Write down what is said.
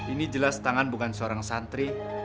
ini jelas tangan bukan seorang santri